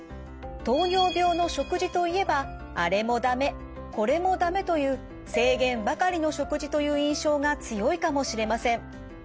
糖尿病の食事といえばあれも駄目これも駄目という制限ばかりの食事という印象が強いかもしれません。